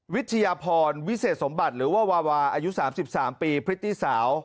วิทยาพรวิเศษสมบัติหรือว่าวาวาอายุ๓๓ปีพริตตี้สาว